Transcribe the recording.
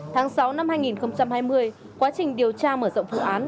tháng sáu năm hai nghìn hai mươi quá trình điều tra mở rộng vụ án